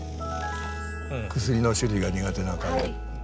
薬の種類が苦手な彼。